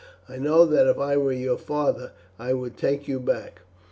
I know that if I were your father I would take you back.